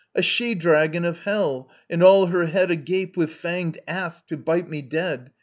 A she dragon of Hell, and all her head Agape with fanged asps, to bite me dead.